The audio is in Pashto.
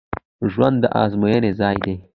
ژوند د ازموینې ځای دی